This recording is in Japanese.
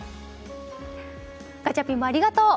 ガチャピンもありがとう！